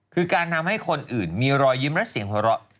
คือการทำให้คนอื่นมีรอยยิ้มและเสียงหัวเราะ